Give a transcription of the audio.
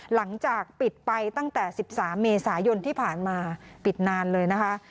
หลังจากปิดไปตั้งแต่๑๓เมษายนที่ผ่านมาปิดนานเลยนะคะ